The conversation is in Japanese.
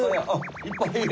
いっぱいいる。